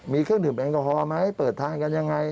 มีเครื่องดื่มแอลกอฮอลไหมเปิดทางกันยังไง